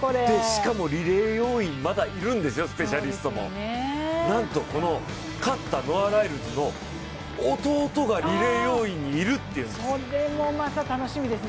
しかもリレー要員まだいるんですよ、スペシャリストもなんとこの勝ったノア・ライルズの弟がリレー要員にいるっていうんです。